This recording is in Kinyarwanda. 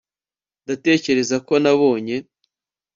ndatekereza ko nabonye